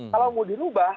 kalau mau dirubah